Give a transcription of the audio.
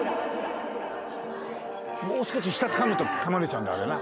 もう少し下つかむとかまれちゃうんだあれな。